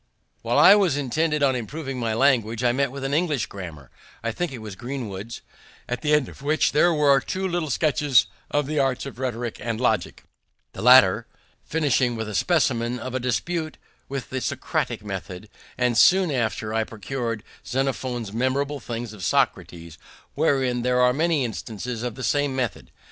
While I was intent on improving my language, I met with an English grammar (I think it was Greenwood's), at the end of which there were two little sketches of the arts of rhetoric and logic, the latter finishing with a specimen of a dispute in the Socratic method; and soon after I procur'd Xenophon's Memorable Things of Socrates, wherein there are many instances of the same method.